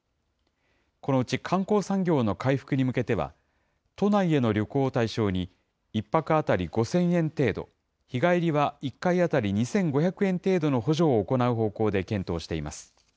このうち観光産業の回復に向けては、都内への旅行を対象に、１泊当たり５０００円程度、日帰りは１回当たり２５００円程度の補助を行う方向で検討しています。